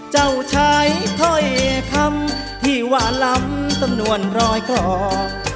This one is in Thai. เจ้าชายเพราะคำที่หวานล้ำสำนวนรอยกรอง